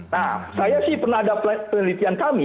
nah saya sih pernah ada penelitian kami